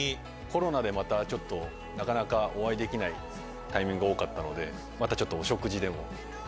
コロナでまたちょっとなかなかお会いできないタイミングが多かったので、またちょっとお食事でも。